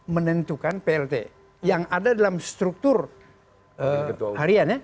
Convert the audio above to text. menentukan plt yang ada dalam struktur harian ya